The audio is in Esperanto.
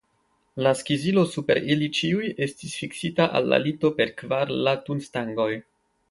La skizilo super ili ĉiuj estis fiksita al la lito per kvar latunstangoj.